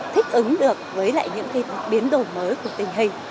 thích ứng được với lại những biến đổi mới của tình hình